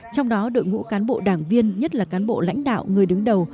trong đó đội ngũ cán bộ đảng viên nhất là cán bộ lãnh đạo người đứng đầu